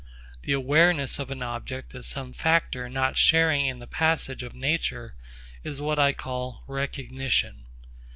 The awareness of an object as some factor not sharing in the passage of nature is what I call 'recognition.'